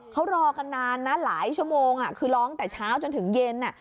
เขารอกันนานนะหลายชั่วโมงคือร้องแต่เช้าจนถึงเย็น